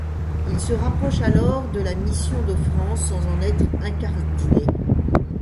Il se rapproche alors de la Mission de France, sans en être incardiné.